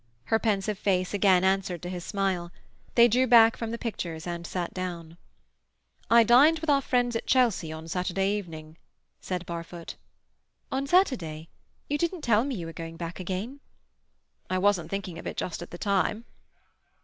Her pensive face again answered to his smile. They drew back from the pictures and sat down. "I dined with our friends at Chelsea on Saturday evening," said Barfoot. "On Saturday? You didn't tell me you were going back again." "I wasn't thinking of it just at the time."